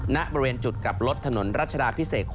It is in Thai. ณบริเวณจุดกลับรถถนนรัชดาพิเศษ๖